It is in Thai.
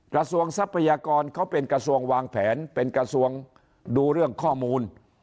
ทรัพยากรเขาเป็นกระทรวงวางแผนเป็นกระทรวงดูเรื่องข้อมูล